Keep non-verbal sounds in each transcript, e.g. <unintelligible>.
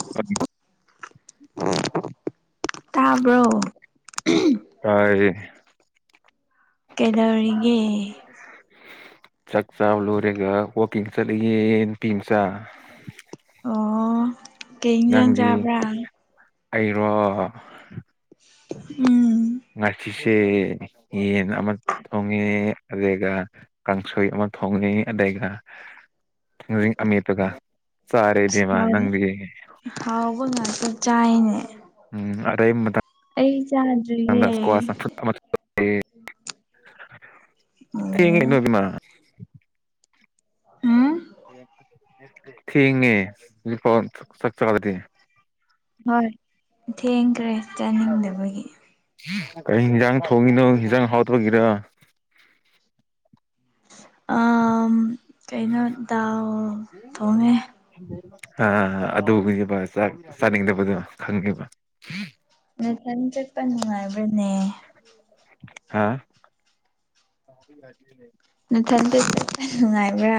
<unintelligible> ꯇꯥꯕ꯭ꯔꯣ ꯇꯥꯏ ꯀꯩꯗꯧꯔꯤꯒꯦ <unintelligible> ꯆꯥꯛ ꯆꯕ ꯂꯣꯏꯔꯒ ꯋꯥꯛꯀꯤꯡ ꯆꯠꯂꯤꯌꯦ ꯅꯨꯄꯤ ꯃꯆꯥ ꯑꯣ ꯀꯩ ꯏꯟꯖꯥꯡ ꯅꯪꯗꯤ ꯆꯥꯕ꯭ꯔꯥ ꯑꯩꯔꯣ ꯎꯝ ꯉꯥꯁꯤꯁꯦ ꯌꯦꯟ ꯑꯃ ꯊꯣꯡꯉꯦ ꯑꯗꯨꯒꯗꯩ ꯀꯥꯡꯁꯣꯏ ꯑꯃ ꯊꯣꯡꯉꯤ ꯑꯗꯩꯒ ꯑꯃꯠꯇꯄꯒ ꯆꯥꯔꯦ ꯏꯕꯦꯝꯃ ꯅꯪꯗꯤ ꯍꯥꯎꯕ ꯉꯥꯛꯇꯥ ꯆꯥꯏꯅꯦ ꯎꯝ ꯑꯔꯩ ꯃꯇꯝꯗ ꯑꯩ ꯆꯥꯗꯔꯤꯌꯦ ꯑꯣ <unintelligible> <unintelligible> ꯊꯦꯡꯅꯦ ꯍꯨꯖꯤꯛ ꯐꯎ ꯆꯥꯛ ꯆꯗꯔꯤ ꯍꯣꯏ ꯊꯦꯡꯈ꯭ꯔꯦ ꯆꯥꯅꯤꯡꯗꯕꯒꯤ ꯀꯔꯤ ꯍꯤꯟꯖꯥꯡ ꯊꯣꯡꯉꯤꯅꯣ ꯍꯤꯟꯖꯥꯡ ꯍꯥꯎꯗꯄꯒꯤꯔ ꯑꯥ ꯀꯩꯅꯣ ꯗꯥꯜ ꯊꯣꯡꯉꯦ ꯑꯥ ꯑꯗꯨꯒꯤꯕ ꯆꯥꯛ ꯆꯥꯅꯤꯡꯗꯕꯗꯣ ꯈꯪꯉꯦꯕ ꯅꯊꯟ ꯆꯠꯄ ꯅꯨꯡꯉꯥꯏꯕ꯭ꯔꯅꯦ ꯍꯥ ꯅꯊꯟꯇ ꯆꯠꯄ ꯅꯨꯡꯉꯥꯏꯕ꯭ꯔꯥ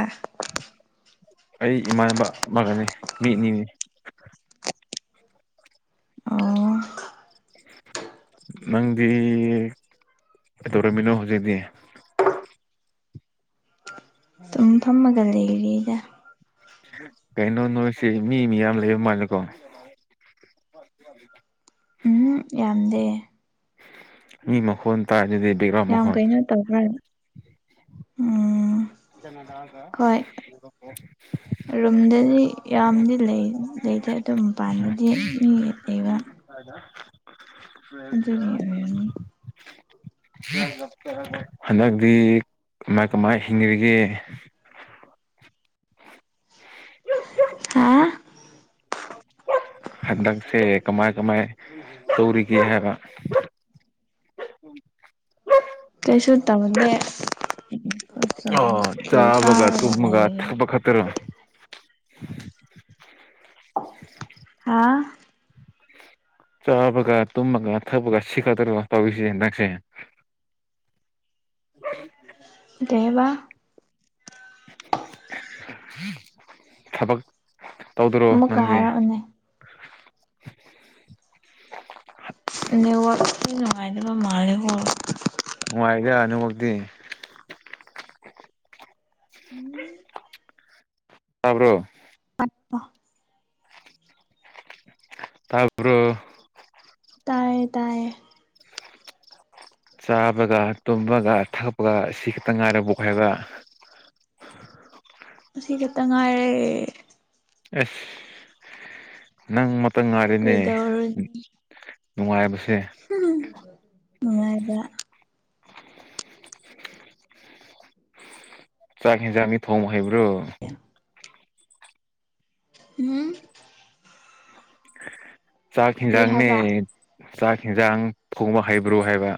ꯑꯩ ꯏꯃꯥꯟꯕ ꯑꯃꯒꯅꯦ ꯃꯤ ꯑꯅꯤꯅꯦ ꯑꯣ ꯅꯪꯗꯤ ꯀꯩꯗꯧꯔꯝꯃꯤꯅꯣ ꯍꯧꯖꯤꯛꯇꯤ ꯗꯨꯝ ꯐꯝꯃꯒ ꯂꯩꯔꯤꯗ ꯀꯩꯅꯣ ꯅꯣꯏꯁꯦ ꯃꯤ ꯃꯤꯌꯥꯝ ꯂꯩꯕ ꯃꯥꯜꯂꯦꯀꯣ ꯎꯝꯍꯨꯝ ꯌꯥꯝꯗꯦ ꯃꯤ ꯃꯈꯣꯟ ꯇꯥꯏꯗꯨꯗꯤ ꯕꯦꯛꯒ꯭ꯔꯥꯎꯟ ꯃꯈꯣꯟ ꯇꯥꯕ꯭ꯔ ꯎꯝ ꯍꯣꯏ ꯔꯨꯝꯗꯗꯤ ꯌꯥꯝꯗꯤ ꯂꯩ ꯂꯩꯇꯦ ꯗꯨꯝ ꯄꯥꯟꯗꯗꯤ ꯃꯤ ꯂꯩꯕ <unintelligible> <unintelligible> ꯑꯗꯨꯒꯤ ꯑꯣꯏꯔꯝꯅꯤ ꯍꯟꯗꯛꯗꯤ ꯀꯃꯥꯏ ꯀꯃꯥꯏ <unintelligible> ꯍꯥ ꯍꯟꯗꯛꯁꯦ ꯀꯃꯥꯏ ꯀꯃꯥꯏ ꯇꯧꯔꯤꯒꯦ ꯍꯥꯏꯕ ꯀꯩꯁꯨ ꯇꯧꯗꯦ <unintelligible> ꯁ꯭ꯀꯨꯜ ꯀꯥꯔꯒ ꯂꯩꯔꯤ ꯑꯣꯈꯇꯔꯣ ꯍꯥ ꯆꯥꯕꯒ ꯇꯨꯝꯃꯒ ꯊꯛꯄꯒ ꯁꯤꯈꯇꯔꯣ ꯇꯧꯏꯁꯦ ꯅꯪꯁꯦ <unintelligible> ꯊꯕꯛ ꯇꯧꯗꯔꯣ ꯑꯃꯨꯛꯀ ꯅꯪꯗꯤ ꯍꯥꯏꯔꯛꯑꯣꯅꯦ ꯅꯦꯋꯥꯛꯁꯤ ꯅꯨꯡꯉꯥꯏꯇꯕ ꯃꯥꯜꯂꯦꯀꯣ ꯅꯨꯉꯥꯏꯗ ꯅꯦꯋꯥꯛꯇꯤ <unintelligible> ꯇꯥꯕ꯭ꯔꯣ <unintelligible> ꯇꯥꯕ꯭ꯔꯣ ꯇꯥꯏꯌꯦ ꯇꯥꯏꯌꯦ ꯆꯥꯕꯒ ꯇꯨꯝꯕꯒ ꯊꯛꯄꯒ ꯑꯁꯤ ꯈꯠꯇꯪ ꯉꯥꯏꯔꯕꯣꯛ ꯍꯥꯏꯕ ꯑꯁꯤ ꯈꯠꯇꯪ ꯉꯥꯏꯔꯦ ꯑꯁ ꯅꯪ ꯃꯇ ꯉꯥꯏꯔꯦꯅꯦ ꯀꯩꯗꯧꯔꯨꯅꯤ ꯅꯨꯡꯉꯥꯏꯕꯁꯦ <unintelligible> ꯅꯨꯡꯉꯥꯏꯕꯔ ꯆꯥꯛ ꯍꯦꯟꯖꯥꯡꯗꯤ ꯊꯣꯡꯕ ꯍꯩꯕ꯭ꯔꯣ ꯍꯨꯝ ꯆꯥꯛ ꯀꯔꯤ ꯍꯦꯟꯖꯥꯡꯅꯦ ꯍꯥꯏꯕ ꯆꯥꯛ ꯍꯦꯟꯖꯥꯡ ꯊꯣꯡꯕ ꯍꯩꯕ꯭ꯔꯣ ꯍꯥꯏꯕ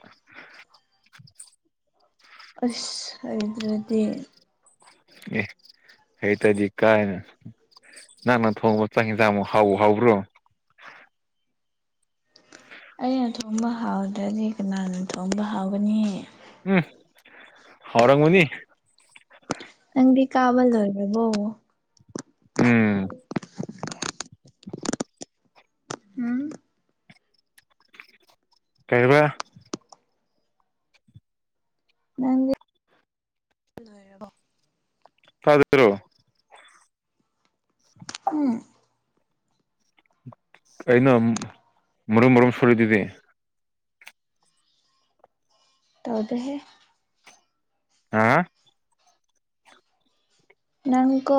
ꯑꯁ ꯍꯩꯇ꯭ꯔꯗꯤ ꯑꯦ ꯍꯩꯇꯗꯤ ꯀꯥꯏꯅ ꯅꯪꯅꯥ ꯊꯣꯡꯕ ꯆꯥꯛ ꯍꯦꯟꯖꯥꯡꯕꯨ ꯍꯥꯎꯕꯨ ꯍꯥꯎꯕ꯭ꯔꯣ ꯑꯩꯅ ꯊꯣꯡꯕ ꯍꯥꯎꯇꯗꯤ ꯀꯅꯥꯅ ꯊꯣꯡꯕ ꯍꯥꯎꯒꯅꯤ ꯎꯝ ꯍꯥꯎꯔꯝꯒꯅꯤ ꯅꯪꯗꯤ ꯀꯥꯕ ꯂꯣꯏꯔꯕꯣ ꯎꯝ ꯎꯝ ꯀꯩꯕ ꯅꯪꯗꯤ <unintelligible> ꯍꯨꯝ ꯀꯩꯅꯣ ꯃꯔꯨꯝ ꯃꯔꯨꯝ ꯁꯨꯔꯤꯗꯨꯗꯤ ꯇꯧꯗꯦꯍꯦ꯫ ꯍꯥ ꯅꯪꯀꯣ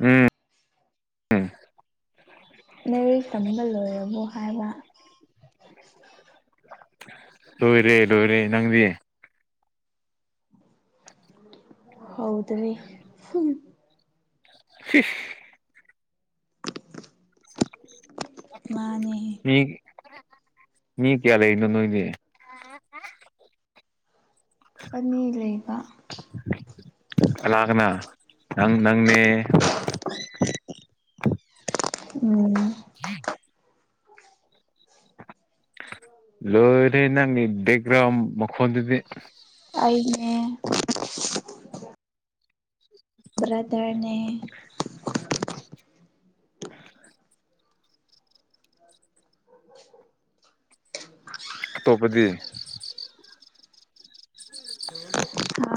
ꯎꯝ ꯎꯝ ꯂꯩꯔꯤꯛ ꯇꯝꯕ ꯂꯣꯏꯔꯕꯣ ꯍꯥꯏꯕ ꯂꯣꯏꯔꯦ ꯂꯣꯏꯔꯦ ꯅꯪꯗꯤ ꯍꯧꯗꯔꯤ ꯐꯤ ꯃꯥꯅꯦꯍꯦ ꯃꯤ ꯃꯤ ꯀꯌꯥ ꯂꯩꯔꯤꯅꯣ ꯅꯣꯏ ꯃꯤ ꯑꯅꯤ ꯂꯩꯕ ꯀꯥꯅꯥ ꯀꯥꯅꯥ ꯅꯪ ꯅꯪꯅꯦ <unintelligible> ꯎꯝ <unintelligible> ꯂꯣꯏꯔꯦ ꯅꯪ ꯕ‌ꯦꯛꯒ꯭ꯔꯥꯎ ꯃꯈꯣꯟꯗꯨꯗ ꯑꯩꯅꯦ ꯕ꯭ꯔꯗꯔꯅꯦ <inaudible> <unintelligible> ꯑꯇꯣꯞꯄꯗꯤ ꯍꯥ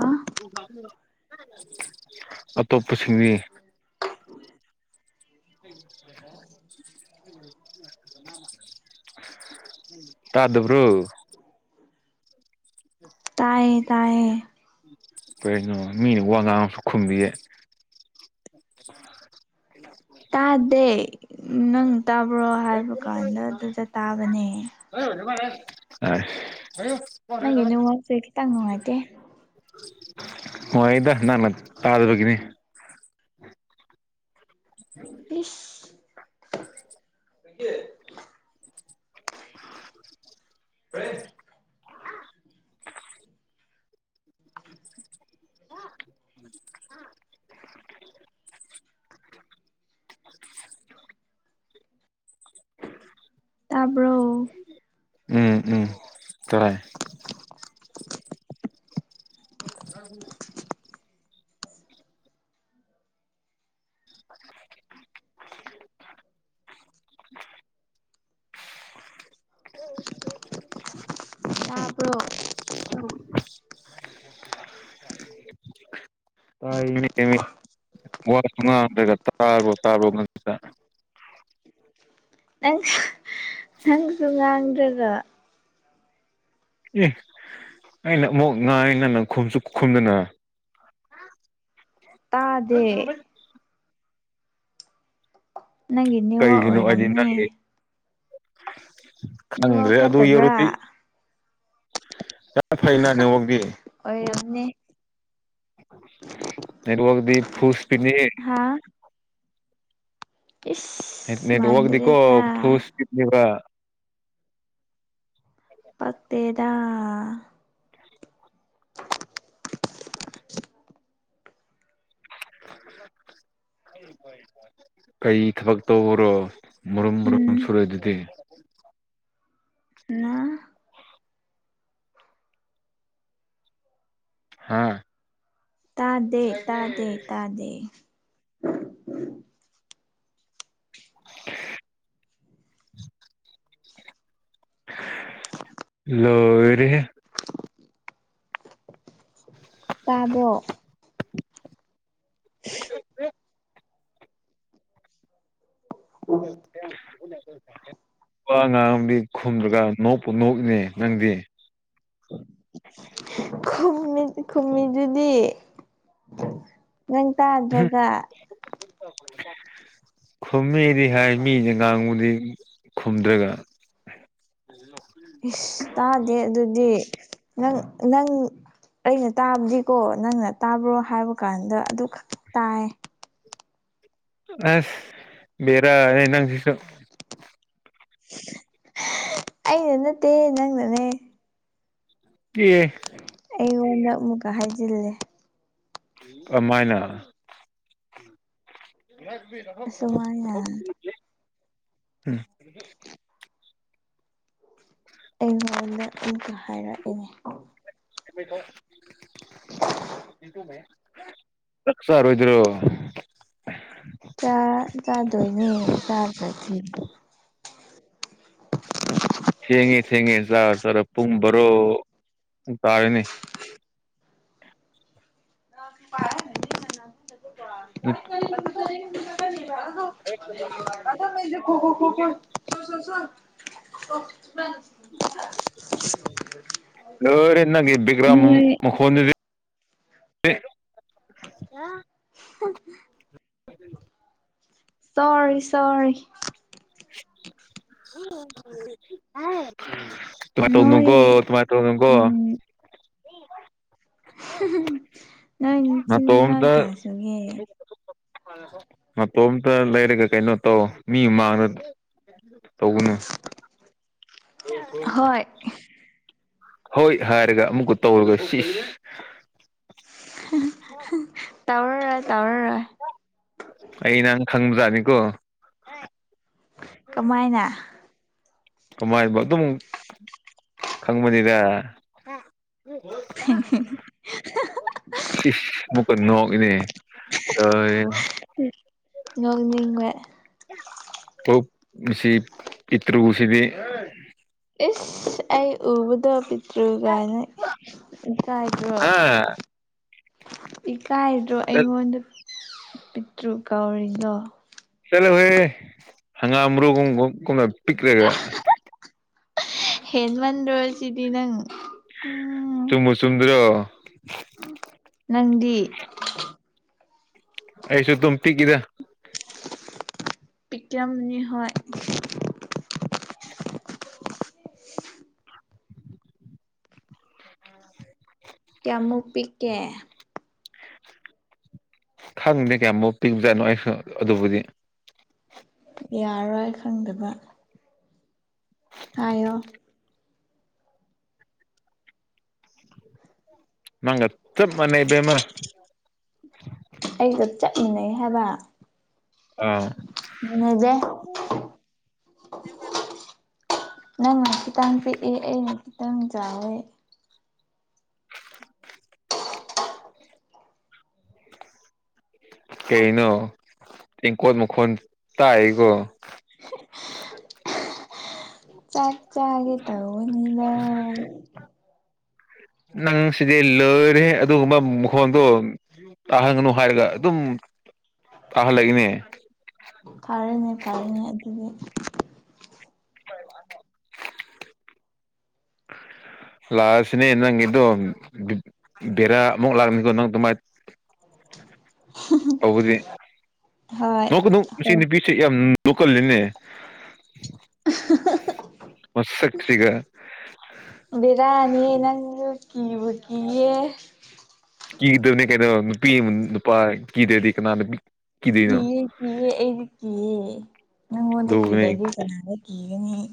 <inaudible> ꯑꯇꯣꯞꯄꯁꯤꯡꯗꯤ <unintelligible> ꯇꯥꯗꯕ꯭ꯔꯣ ꯇꯥꯏꯌꯦ ꯇꯥꯏꯌꯦ ꯀꯩꯅꯣ ꯃꯤꯅ ꯋꯥ ꯉꯥꯡꯉ ꯐ ꯈꯨꯝꯗꯤꯌꯦ ꯇꯥꯗꯦ ꯅꯪ ꯇꯥꯕ꯭ꯔꯣ ꯍꯥꯏꯕ ꯀꯥꯟꯗ ꯑꯗꯨꯗ ꯇꯥꯕꯅꯦ <unintelligible> ꯑꯁ ꯍꯥꯏꯌꯨ ꯅꯪꯒ ꯅꯦꯠꯋꯛꯁꯦ ꯈꯤꯇꯪ ꯅꯨꯡꯉꯥꯏꯇꯦ <unintelligible> ꯅꯨꯉꯥꯏꯗ ꯅꯪꯅ ꯇꯥꯗꯕꯒꯤꯅꯤ ꯏꯁ <unintelligible> <unintelligible> <inaudible> <inaudible> ꯇꯥꯕ꯭ꯔꯣ ꯎꯝ ꯎꯝ ꯇꯥꯏ <unintelligible> <inaudible> <unintelligible> <unintelligible> <unintelligible> ꯥ <inaudible> ꯋꯥꯁꯨ ꯉꯥꯡꯗ꯭ꯔꯒ ꯇꯥꯕ꯭ꯔꯣ ꯇꯥꯕꯣ ꯉꯥꯛꯇ ꯑꯁ ꯅꯪꯁꯨ ꯉꯥꯡꯗ꯭ꯔꯒ ꯏ ꯑꯩꯅ ꯑꯃꯨꯛ ꯉꯥꯡꯉꯤ ꯅꯪꯅ ꯈꯨꯝꯁꯨ ꯈꯨꯝꯗꯅ ꯇꯥꯗꯦ ꯅꯪꯒꯤ ꯅꯦꯠꯋꯥꯛ ꯀꯩꯒꯤꯅꯣ ꯑꯩꯗꯤ ꯑꯣꯏꯔꯝꯅꯤ ꯅꯪꯒꯤ ꯈꯪꯗ꯭ꯔꯦ ꯅꯦꯠꯋꯥꯛ ꯑꯗꯨ ꯐꯠꯇꯕ꯭ꯔꯥ ꯌꯧꯔꯗꯤ ꯌꯥꯝ ꯐꯩꯅ ꯅꯦꯠꯋꯥꯛꯗꯤ ꯑꯣꯏꯔꯝꯅꯦ <inaudible> ꯅꯦꯠꯋꯛꯗꯤ ꯐꯨꯜ ꯁ꯭꯭ꯄꯤꯠꯅꯤꯍꯦ ꯍꯥꯥ ꯅꯦꯠ ꯏꯁ ꯅꯦꯠꯋꯛꯗꯤꯀꯣ ꯃꯥꯟꯗ꯭ꯔꯦꯗ ꯐꯨꯜ ꯁ꯭꯭ꯄꯤꯠꯅꯤꯕ ꯐꯠꯇꯦꯗꯥ ꯀꯩ ꯊꯕꯛ ꯇꯧꯕ꯭ꯔꯣ ꯃꯔꯨꯝ ꯃꯔꯨꯝ ꯎꯝ ꯁꯨꯔꯗꯨꯗꯤ ꯍꯨꯝ ꯍꯥꯥ ꯇꯥꯗꯦ ꯇꯥꯗꯦ ꯇꯥꯗꯦ <inaudible> ꯂꯣꯏꯔꯦꯍꯦ ꯇꯥꯕ꯭ꯔꯣ <inaudible> ꯅꯨꯄꯥ ꯑ ꯉꯥꯡ ꯑꯃꯗꯤꯗꯤ ꯈꯨꯝꯗ꯭ꯔꯒ ꯅꯣꯛꯄꯨ ꯅꯣꯛꯏꯅꯦ ꯅꯪꯗꯤ ꯈꯨꯝꯃꯤ ꯈꯨꯝꯃꯤꯁꯤꯗꯤ ꯅꯪ ꯇꯥꯗ꯭ꯔꯒ ꯈꯨꯝꯃꯤꯗꯤ ꯍꯥꯏ ꯃꯤꯅꯥ ꯉꯥꯡꯕꯗꯤ ꯈꯨꯝꯗ꯭ꯔꯒ ꯏꯁꯁ ꯇꯥꯗꯦ ꯑꯗꯨꯗꯤ ꯅꯪ ꯅꯪ ꯑꯩꯅ ꯇꯥꯕꯗꯤꯀꯣ ꯅꯪꯅ ꯇꯥꯕ꯭ꯔꯣ ꯍꯥꯏꯕ ꯀꯥꯟꯗ ꯑꯗꯨꯈꯛ ꯇꯥꯏ ꯑꯁ ꯕꯦꯔꯥ ꯅꯪꯁꯤꯁꯨ ꯑꯩꯩꯅ ꯅꯠꯇꯦ ꯅꯪꯅꯅꯦ ꯀꯤꯑꯦ ꯑꯩꯉꯣꯟꯗ ꯑꯃꯨꯛꯀ ꯍꯥꯏꯖꯤꯜꯂꯦ ꯑꯃꯥꯏꯅ ꯑꯁꯨꯃꯥꯏꯅ <inaudible> ꯑꯩ ꯃꯉꯣꯟꯗ ꯑꯃꯨꯀ ꯍꯥꯏꯔꯛꯏꯅꯦ <inaudible> ꯆꯥꯛ ꯆꯥꯔꯣꯏ ꯑꯣꯏꯗ꯭ꯔꯣ ꯆꯥꯛ ꯆꯥꯗꯣꯏꯅꯤ ꯆꯥꯗꯔꯗꯤ <inaudible> ꯊꯦꯡꯉꯦ ꯊꯦꯡꯉꯦ ꯆꯥꯛ ꯆꯥꯔꯣ ꯄꯨꯡ ꯕꯔꯣ ꯇꯥꯔꯦꯅꯦ ꯄꯥ <inaudible> ꯎꯠ <inaudible> ꯑꯦ ꯈꯣꯈꯣ ꯈꯣꯈꯣ <inaudible> <inaudible> ꯑꯣ ꯂꯣꯏꯔꯦ ꯅꯪꯒꯤ ꯕꯤꯒ꯭ꯔꯝ ꯅꯣꯏ ꯃꯈꯣꯟꯗꯨꯗꯤ <inaudible> <inaudible> ꯁꯣꯔꯤ ꯁꯣꯔꯤ <inaudible> ꯇꯥꯏ ꯇꯧꯅꯨꯒꯣ ꯅꯣꯏ ꯇꯨꯃꯥꯏ ꯇꯧꯅꯨꯒꯣ ꯎꯝ ꯅꯣꯏ ꯅꯤꯆꯤꯟ ꯅꯥ ꯅꯥꯅꯎ ꯅꯇꯣꯝꯇ ꯀꯌꯥꯁꯨꯒꯦ ꯃꯇꯣꯝꯇ ꯂꯩꯔꯒ ꯀꯩꯅꯣ ꯇꯧ ꯃꯤ ꯃꯥꯡꯗ <unintelligible> ꯇꯧꯒꯅꯨ ꯍꯣꯏ ꯍꯣꯏ ꯍꯥꯏꯔꯒ ꯑꯃꯨꯛꯀ ꯇꯧꯔꯒ ꯁꯤꯁ ꯇꯧꯔꯔꯣꯏ ꯇꯧꯔꯔꯣꯏ ꯑꯩ ꯅꯪ ꯈꯪꯕꯖꯥꯠꯅꯤꯀꯣ ꯀꯃꯥꯏꯅ ꯀꯃꯥꯏꯕꯧ ꯑꯗꯨꯝ ꯈꯪꯕꯅꯤꯗ <unintelligible> ꯗ ꯁꯤꯁ ꯅꯣꯛꯀ ꯅꯣꯛꯢꯅꯦ <inaudible> ꯍꯨꯝ ꯅꯣꯛ ꯅꯤꯡꯕ ꯑꯣ ꯃꯁꯤ ꯄꯤꯇ꯭ꯔꯨꯁꯤꯗꯤ ꯏꯁꯁ ꯑꯩ ꯎꯕꯗꯣ ꯄꯤꯗ꯭ꯔꯨ ꯀꯥꯏꯅ ꯏꯁꯥꯏꯗꯣ ꯍꯥ ꯏꯀꯥꯏꯗ꯭ꯔꯣ ꯆꯠ ꯑꯩꯉꯣꯟꯗ ꯄꯤꯠꯇ꯭ꯔꯨ ꯀꯧꯔꯤꯅꯣ ꯆꯜꯂꯣ ꯍꯦ ꯍꯒꯥꯝ ꯃꯔꯨ ꯒꯨꯝ ꯀꯨꯝꯅ ꯍꯦꯟ ꯃꯟꯗ꯭ꯔꯣ ꯑꯁꯤꯗꯤ ꯅꯪ ꯎꯝ ꯆꯨꯝꯕꯨ ꯆꯨꯝꯗ꯭ꯔꯣ ꯅꯪꯗꯤ ꯑꯩꯁꯨ ꯇꯨꯝ ꯇꯤꯛꯒꯤꯗ ꯄꯤꯛ ꯀꯤꯌꯝꯅꯤ ꯍꯣꯏ ꯀꯌꯥꯃꯨꯛ ꯄꯤꯛꯀꯦ ꯈꯪꯗꯦ ꯀꯌꯥꯃꯨꯛ ꯄꯤꯛꯕꯖꯥꯠꯅꯣ ꯑꯩꯁꯨ ꯑꯗꯨꯕꯨꯗꯤ ꯌꯥꯔꯣꯏ ꯈꯪꯗꯕ ꯍꯥꯏꯌꯣ <inaudible> ꯅꯪꯒ ꯆꯞ ꯃꯅꯩ ꯏꯕꯦꯝꯃ ꯑꯩꯒ ꯆꯠꯃꯤꯟꯅꯩ ꯍꯥꯏꯕ ꯑꯥ ꯃꯅꯦꯗꯦ ꯅꯪꯅ ꯈꯤꯇꯪ ꯄꯤꯛꯑꯦ ꯑꯩꯅ ꯈꯤꯇꯪ ꯆꯥꯎꯋꯦ ꯀꯩꯅꯣ ꯇꯦꯡꯀꯣꯠ ꯃꯈꯣꯟ ꯇꯥꯛꯏꯌꯦꯀꯣ ꯆꯥꯛ ꯆꯥꯒꯦ ꯇꯧꯕꯅꯤꯅ ꯅꯪ ꯁꯤꯗꯤ ꯂꯣꯏꯔꯦꯍꯦ ꯑꯗꯨꯒꯨꯝꯕ ꯃꯈꯣꯟꯗꯣ ꯇꯥꯍꯟꯒꯅꯨ ꯍꯥꯏꯔꯒ ꯑꯗꯨꯝ ꯇꯥꯍꯜꯂꯛꯏꯅꯦ ꯐꯔꯅꯦ ꯐꯔꯅꯦ ꯑꯗꯨꯗꯤ <unintelligible> ꯂꯥꯛꯑꯁꯨꯅꯦ ꯅꯪꯒꯤꯗꯣ ꯕꯤ ꯕꯤꯔꯥ ꯑꯃꯨꯛ ꯂꯥꯛꯅꯤꯀꯣ ꯅꯪ ꯗꯨꯃꯥꯏ ꯇꯧꯕꯗꯤ ꯍꯣꯏ ꯅꯣꯛꯀꯅꯨ ꯑꯁꯤ ꯍꯣꯏ ꯅꯨꯄꯤꯁꯦ ꯌꯥꯝ ꯅꯣꯛꯀꯜꯂꯤꯅꯦ ꯃꯁꯛꯁꯤꯒ ꯕꯦꯔꯥꯅꯤꯍꯦ ꯅꯪꯁꯨ ꯀꯤꯕꯨ ꯀꯤꯌꯦ ꯀꯤꯒꯗꯝꯅꯦ ꯀꯩꯅꯣ ꯅꯨꯄꯤ ꯑꯃ ꯅꯨꯄꯥ ꯀꯤꯗꯔꯗꯤ ꯀꯅꯥ ꯅꯨꯄꯤ ꯀꯤꯗꯣꯏꯅꯣ ꯀꯤꯌꯦ ꯀꯤꯌꯦ ꯑꯩꯗꯤ ꯀꯤꯌꯦ ꯅꯪꯉꯣꯟꯗ ꯑꯗꯨꯅꯦ ꯀꯤꯔꯗꯤ ꯀꯅꯥꯗ ꯀꯤꯒꯅꯤ